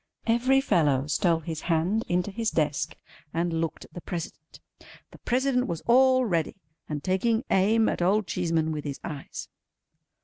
Every fellow stole his hand into his desk and looked at the President. The President was all ready, and taking aim at old Cheeseman with his eyes.